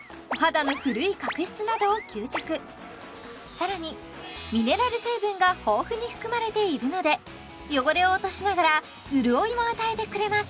更にミネラル成分が豊富に含まれているので汚れを落としながら潤いも与えてくれます